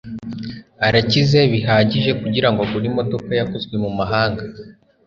Arakize bihagije kugirango agure imodoka yakozwe mumahanga.